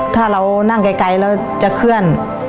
ถ้าเรานั่งไกลแล้วจะเคลื่อน